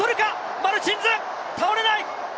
マルチンズ倒れない。